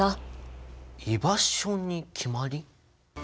居場所に決まり？